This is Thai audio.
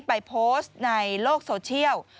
ไปโพสต์ในโลกโซเชียล